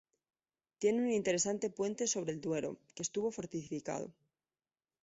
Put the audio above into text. Tiene un interesante puente sobre el Duero, que estuvo fortificado.